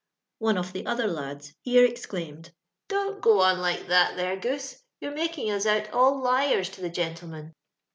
One of the other lads hero exclaimed, " Don't go on like that there. Goose ; you're making us out all liars to the gentleman."